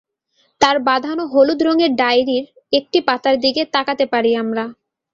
তাঁর বাঁধানো হলুদ রঙের ডায়েরির একটি পাতার দিকে তাকাতে পারি আমরা।